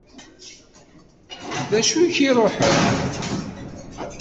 D acu i k-iruḥen?